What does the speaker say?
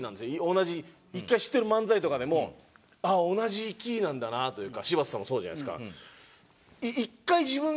同じ１回知ってる漫才とかでもああ同じキーなんだなというか柴田さんもそうじゃないですか。